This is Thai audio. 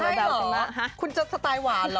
ใช่เหรอคุณจะสไตล์หวานเหรอ